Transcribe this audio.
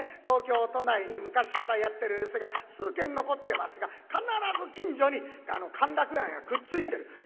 東京都内に昔からやってる寄席が数軒残ってますが必ず近所に歓楽街がくっついてる。